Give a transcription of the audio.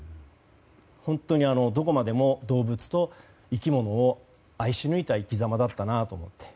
本当にどこまでも動物と生き物を愛し抜いた生きざまだったなと思って。